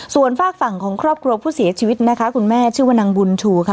ส่วนฝากฝั่งของครอบครัวผู้เสียชีวิตนะคะคุณแม่ชื่อว่านางบุญชูค่ะ